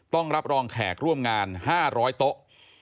ต้องรับรองแขกร่วมงาน๕๐๐โต๊ะ